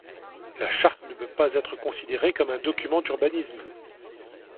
La charte ne peut pas être considérée comme un document d’urbanisme.